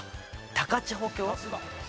高千穂峡？